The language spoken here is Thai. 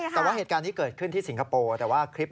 แต่ว่าเหตุการณ์นี้เกิดขึ้นที่สิงคโปร์